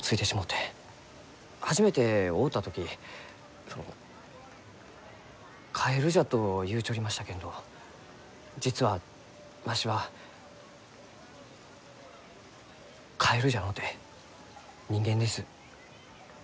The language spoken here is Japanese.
初めて会うた時その「カエルじゃ」と言うちょりましたけんど実はわしはカエルじゃのうて人間です。